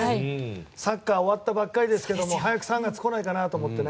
サッカー終わったばかりですけど早く３月来ないかなと思ってね。